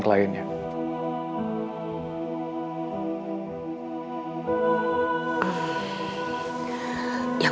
berayu parenthesis disu